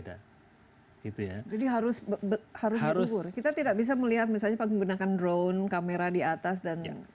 jadi harus dikubur kita tidak bisa melihat misalnya penggunakan drone kamera di atas dan